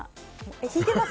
引いてます？